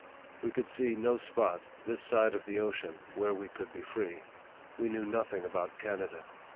We could see no spot, this side of the ocean, where we could be free. We knew nothing about Canada.